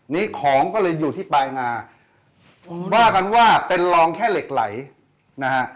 นี้ของก็เลยอยู่ที่ปลายงาว่ากันว่าเป็นรองแค่เหล็กไหลนะฮะ